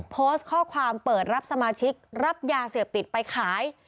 โพสต์ข้อความเปิดรับสมาชิกรับยาเสพติดไปขาย